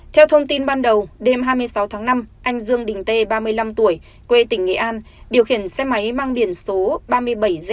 theo thông tin ban đầu đêm hai mươi sáu tháng năm anh dương đình tê ba mươi năm tuổi quê tỉnh nghệ an điều khiển xe máy mang điển số ba mươi bảy z chín hai trăm linh ba